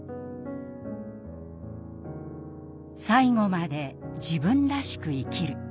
最期まで自分らしく生きる。